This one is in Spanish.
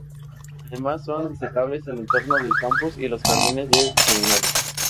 Además son destacables el entorno del campus y los jardines del seminario.